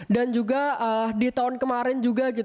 dan juga di tahun kemarin